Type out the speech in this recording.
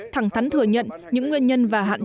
thẳng thắn thừa nhận những nguyên nhân và hạn chế